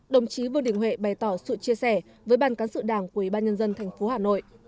đồng chí vương đình huệ bày tỏ sự chia sẻ với ban cán sự đảng của ủy ban nhân dân tp hà nội